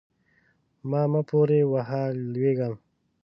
ما مه پورې وهه؛ لوېږم.